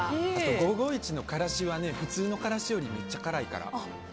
５５１のからしは普通のからしよりめっちゃ辛いから。